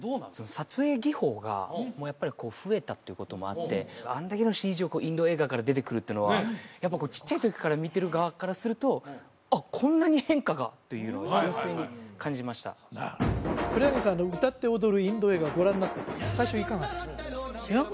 撮影技法がもうやっぱりこう増えたっていうこともあってあんだけのＣＧをインド映画から出てくるっていうのはやっぱこうちっちゃい時から見てる側からすると「あっこんなに変化が」というのは純粋に感じましたなるほど黒柳さん歌って踊るインド映画ご覧になって最初いかがでした？